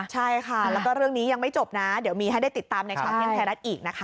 ใช่ค่ะแล้วก็เรื่องนี้ยังไม่จบนะเดี๋ยวมีให้ได้ติดตามในข่าวเที่ยงไทยรัฐอีกนะคะ